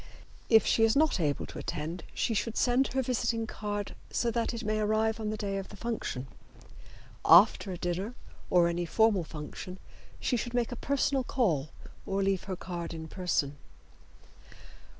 If she is not able to attend she should send her visiting card so that it may arrive on the day of the function. After a dinner or any formal function she should make a personal call or leave her card in person.